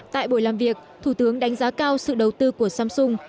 tại buổi làm việc thủ tướng đánh giá cao sự đầu tư của samsung